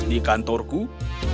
tidak ini berarti aku tidak pantas